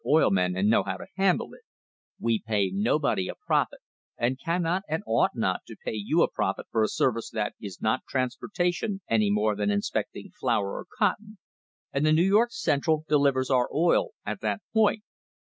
oil men and know how to handle it; we pay nobody a profit, and cannot and ought not to pay you a profit for a service that is not transportation any more than inspecting flour or cotton; and the New York Central delivers our oil at that point.